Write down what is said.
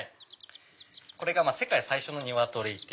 これが世界最小のニワトリ。